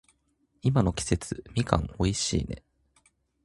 今の季節、みかん美味しいね。